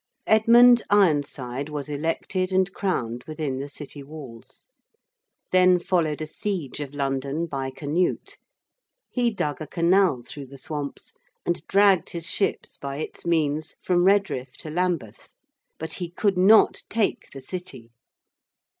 Edmund Ironside was elected and crowned within the City walls. Then followed a siege of London by Canute. He dug a canal through the swamps, and dragged his ships by its means from Redriff to Lambeth. But he could not take the City.